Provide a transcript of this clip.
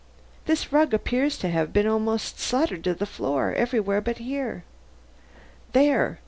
"This rug appears to have been almost soldered to the floor, everywhere but here. There!